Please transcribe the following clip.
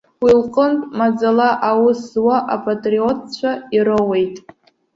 Уи лҟнытә, маӡала аус зуа апатриотцәа ироуеит.